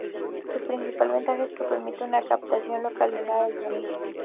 Su principal ventaja es que permite una captación localizada del sonido.